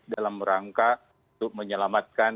dalam rangka untuk menyelamatkan